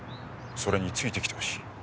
それについてきてほしい。